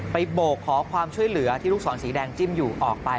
โบกขอความช่วยเหลือที่ลูกศรสีแดงจิ้มอยู่ออกไป